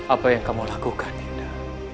apa yang kamu lakukan indah